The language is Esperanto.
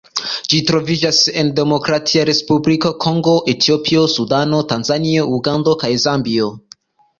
Ĝi troviĝas en Demokratia Respubliko Kongo, Etiopio, Sudano, Tanzanio, Ugando kaj Zambio.